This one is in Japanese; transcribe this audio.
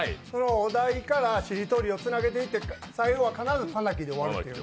お題からしりとりをつなげていって最後は必ず「パナキ」で終わるっていう。